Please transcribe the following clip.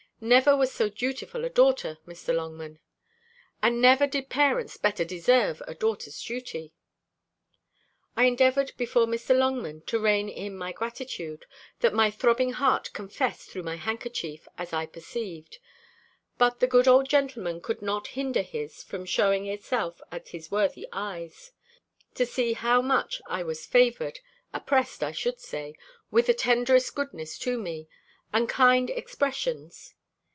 Never was so dutiful a daughter, Mr. Longman; and never did parents better deserve a daughter's duty." I endeavoured before Mr. Longman to rein in a gratitude, that my throbbing heart confessed through my handkerchief, as I perceived: but the good old gentleman could not hinder his from shewing itself at his worthy eyes, to see how much I was favoured oppressed, I should say with the tenderest goodness to me, and kind expressions.